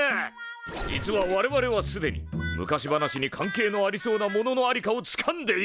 実は我々はすでに昔話に関係のありそうなもののありかをつかんでいる。